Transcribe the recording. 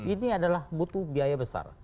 ini adalah butuh biaya besar